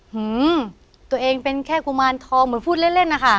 หือตัวเองเป็นแค่กุมารทองเหมือนพูดเล่นเล่นนะคะ